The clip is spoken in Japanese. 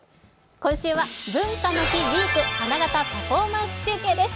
今週は文化の日ウィーク、花形パフォーマンス中継です。